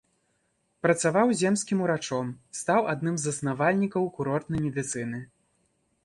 Працаваў земскім урачом, стаў адным з заснавальнікаў курортнай медыцыны.